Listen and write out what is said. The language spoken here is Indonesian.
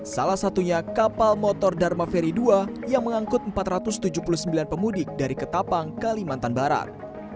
salah satunya kapal motor dharma ferry dua yang mengangkut empat ratus tujuh puluh sembilan pemudik dari ketapang kalimantan barat